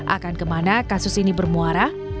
akan kemana kasus ini bermuara